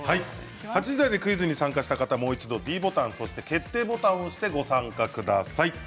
８時台でクイズに参加した方はもう一度ｄボタンそして決定ボタンを押してご参加ください。